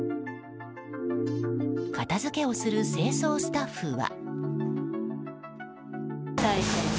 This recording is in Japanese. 片づけをする清掃スタッフは。